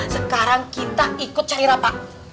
sekarang kita ikut cari apa